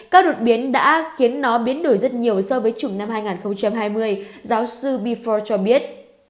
các đột biến đã khiến nó biến đổi rất nhiều so với chủng năm hai nghìn hai mươi giáo sư befor cho biết